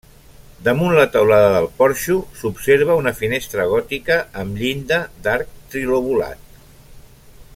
Damunt la teulada del porxo s'observa una finestra gòtica amb llinda d'arc trilobulat.